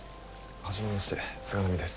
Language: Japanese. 初めまして菅波です。